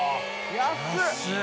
安い。